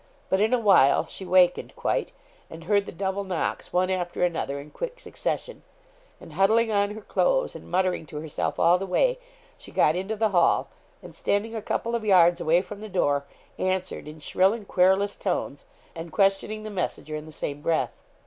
But in a while she wakened quite, and heard the double knocks one after another in quick succession; and huddling on her clothes, and muttering to herself all the way, she got into the hall, and standing a couple of yards away from the door, answered in shrill and querulous tones, and questioning the messenger in the same breath.